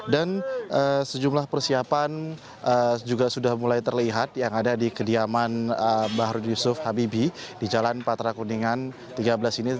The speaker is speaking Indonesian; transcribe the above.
dan sejumlah persiapan juga sudah mulai terlihat yang ada di kediaman pak harudin yusuf habibie di jalan patra kuningan tiga belas ini